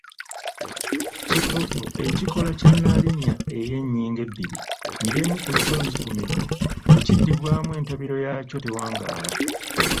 kibbobbo:Ekikolo kya nnalinnya ey’ennyingo ebbiri ng’emu ku zo nzigumivu, bwe kiddibwamu entabiro yaakyo tewangaala.